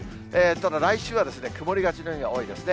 ただ来週は曇りがちの日が多いですね。